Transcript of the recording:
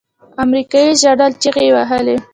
امريکايي ژړل چيغې يې وهلې.